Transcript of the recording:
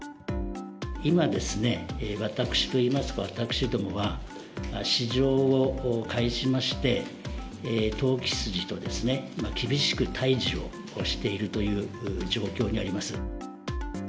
今ですね、私といいますか、私どもは、市場を介しまして、投機筋とですね、厳しく対じをしているという状況にあります。